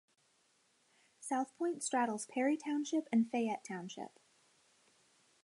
South Point straddles Perry Township and Fayette Township.